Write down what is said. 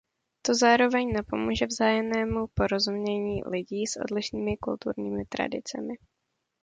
To zároveň napomůže vzájemnému porozumění lidí s odlišnými kulturními tradicemi.